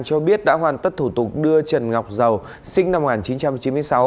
cho biết đã hoàn tất thủ tục đưa trần ngọc dầu sinh năm một nghìn chín trăm chín mươi sáu